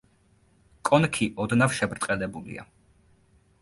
კონქი ოდნავ შებრტყელებულია.